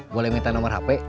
boleh minta nomor hp